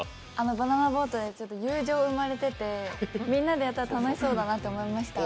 バナナボートで友情生まれてて、みんなでやったら楽しそうだなと思いました。